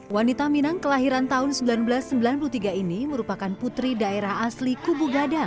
wanita minang kelahiran tahun seribu sembilan ratus sembilan puluh tiga ini merupakan putri daerah asli kubu gadang